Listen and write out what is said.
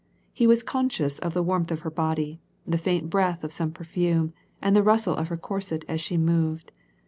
He was conscious of the warmth of her body, the faint breath of some perfume, and the rustle of her corset as she moved.